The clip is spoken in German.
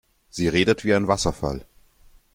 Sie redet wie ein Wasserfall.